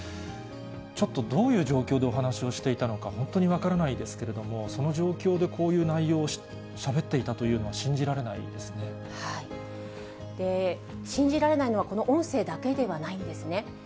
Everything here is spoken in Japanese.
ちょっとどういう状況でお話をしていたのか、本当に分からないですけれども、その状況でこういう内容をしゃべっていたというのは、信じられな信じられないのは、この音声だけではないんですね。